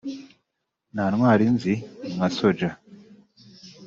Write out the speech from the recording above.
"Nta ntwari nzi nka Soldier’